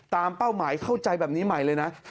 เป้าหมายเข้าใจแบบนี้ใหม่เลยนะ